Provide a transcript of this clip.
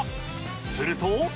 すると。